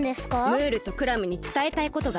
ムールとクラムにつたえたいことがあってな。